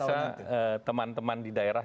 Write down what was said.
ya saya rasa teman teman di daerah